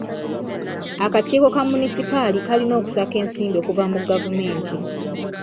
Akakiiko ka munisipaali kalina okusaka ensimbi okuva mu gavumenti.